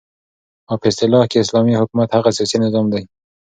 او په اصطلاح كې اسلامي حكومت هغه سياسي نظام دى